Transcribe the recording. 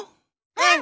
うん！